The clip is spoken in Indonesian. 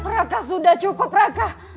raka sudah cukup raka